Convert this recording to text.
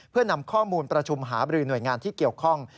เพื่อนำข้อมูลประชุมหาบรือหน่วยงานที่เกี่ยวข้อง